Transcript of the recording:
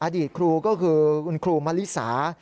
อดีตครูก็คือคุณครูมะลิสา